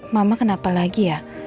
mama kenapa lagi ya